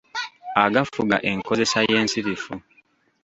Agafuga enkozesa y’ensirifu.